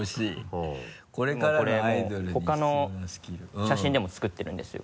もうこれほかの写真でも作ってるんですよ